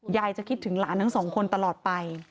ยายจะคิดถึงหลานทั้งสองคนตลอดไป